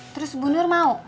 terus bu nur mau